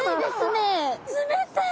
冷たい。